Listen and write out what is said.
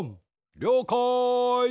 りょうかい！